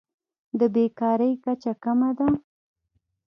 د بیکارۍ کچه کمه ده.